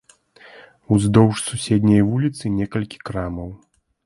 Уздоўж суседняй вуліцы некалькі крамаў.